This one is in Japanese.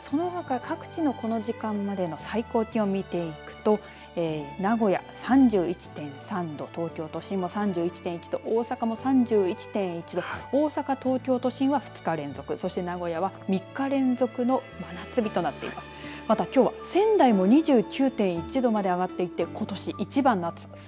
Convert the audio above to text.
そのほか各地のこの時間までの最高気温を見ていくと名古屋、３１．３度東京都心も３１．１度大阪も３１．１度大阪、東京都心は２日連続、そして名古屋は３日連続の真夏日となっています。